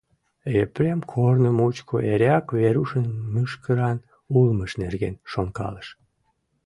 Епрем корно мучко эреак Верушын мӱшкыран улмыж нерген шонкалыш.